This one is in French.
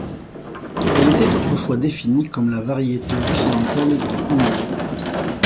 Elle était autrefois définie comme la variété occidentale du hindi.